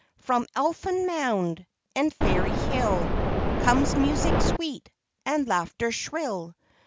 _ _From Elfin Mound, And Fairy Hill, Comes music sweet, And laughter shrill!